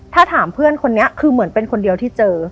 ถ้าถามเพื่อนคนนี้คือเหมือนเป็นคนเดียวที่เจอ